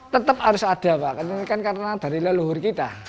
tetap harus ada pak ini kan karena dari leluhur kita